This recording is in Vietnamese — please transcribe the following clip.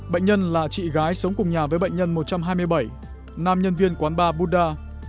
bệnh nhân là chị gái sống cùng nhà với bệnh nhân một trăm hai mươi bảy nam nhân viên quán ba buddha